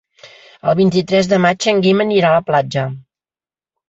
El vint-i-tres de maig en Guim anirà a la platja.